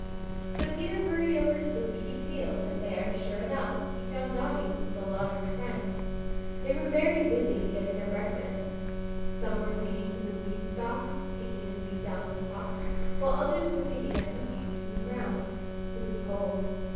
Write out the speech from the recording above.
So Peter hurried over to the weedy field and there, sure enough, he found Dotty with a lot of his friends. They were very busy getting their breakfast. Some were clinging to the weed stalks picking the seeds out of the tops, while others were picking up the seeds from the ground. It was cold.